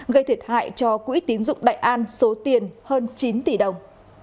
gây thiệt hại cho quỹ tín dụng đại an số tiền hơn chín tỷ đồng